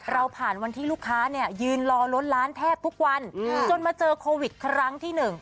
เราผ่านวันที่ลูกค้าเนี่ยยืนรอล้นร้านแทบทุกวันจนมาเจอโควิดครั้งที่๑